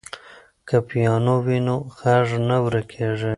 که پیانو وي نو غږ نه ورکېږي.